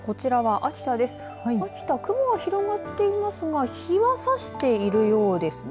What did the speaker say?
秋田、雲が広がっていますが日は差しているようですね。